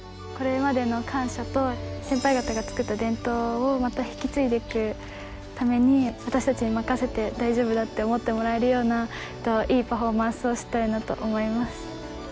これまでの感謝と、先輩方が作った伝統をまた引き継いでいくために、私たちに任せて大丈夫だって思ってもらえるような、いいパフォーマンスをしたいなと思います。